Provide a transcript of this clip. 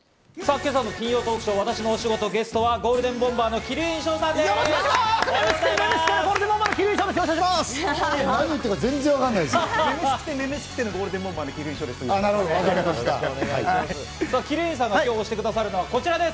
今朝の金曜トークショ・わたしの推しゴト、ゲストはゴールデンボンバーのボーカル・鬼龍院翔さんです！